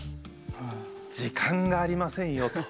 「時間がありませんよ」と。